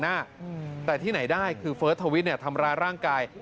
แต่ที่ไหนได้คือเฟิร์สทวิทย์เนี่ยทำร้ายร่างกาย